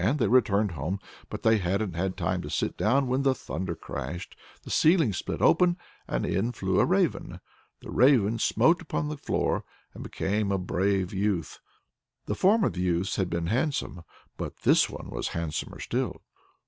They returned home, but they hadn't had time to sit down when the thunder crashed, the ceiling split open, and in flew a raven. The Raven smote upon the floor and became a brave youth. The former youths had been handsome, but this one was handsomer still.